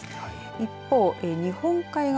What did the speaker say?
一方、日本海側